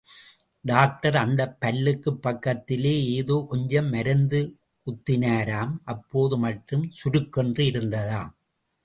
Doctor அந்தப் பல்லுக்குப் பக்கத்திலே ஏதோ கொஞ்சம் மருந்து குத்தினாராம், அப்போது மட்டும் சுருக்கென்று இருந்ததாம்.